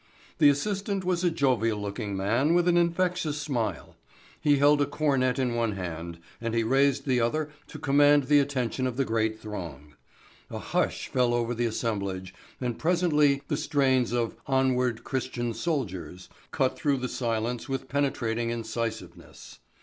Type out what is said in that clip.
The assistant was a jovial looking man with an infectious smile. He held a cornet in one hand and he raised the other to command the attention of the great throng. A hush fell over the assemblage and presently the strains of "Onward, Christian Soldiers" cut through the silence with penetrating incisiveness.